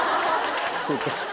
そうか。